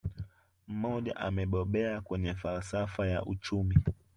Mmoja amebobea kwenye falsafa ya uchumi